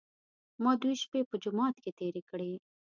ما دوې شپې په جومات کې تېرې کړې.